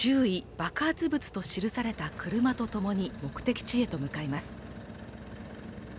爆発物」と記された車とともに目的地へ向かいます。